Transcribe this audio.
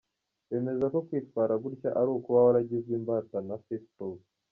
Bemeza ko kwitwara gutya ari ukuba waragizwe imbata na facebook.